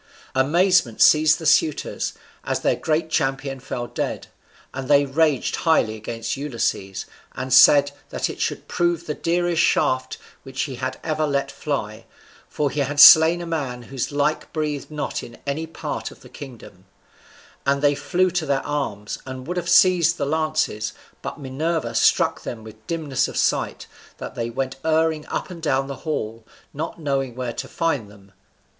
Amazement seized the suitors, as their great champion fell dead, and they raged highly against Ulysses, and said that it should prove the dearest shaft which he ever let fly, for he had slain a man whose like breathed not in any part of the kingdom; and they flew to their arms, and would have seized the lances, but Minerva struck them with dimness of sight that they went erring up and down the hall, not knowing where to find them.